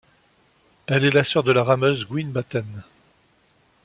Elle est la sœur de la rameuse Guin Batten.